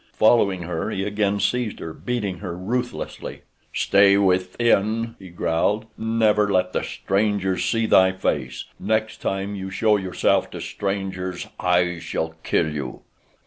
Following her he again seized her, beating her ruthlessly. "Stay within!" he growled. "Never let the strangers see thy face. Next time you show yourself to strangers I shall kill you!"